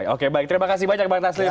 oke baik terima kasih banyak bang taslim